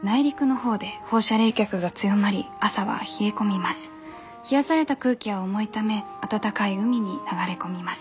冷やされた空気は重いため暖かい海に流れ込みます。